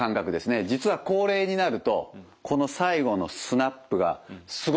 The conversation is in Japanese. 実は高齢になるとこの最後のスナップがすごく弱くなるんですよ。